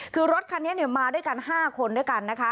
คือรถคันนี้มาด้วยกัน๕คนด้วยกันนะคะ